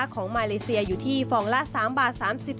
ของมาเลเซียอยู่ที่ฟองละ๓บาท๓๐บาท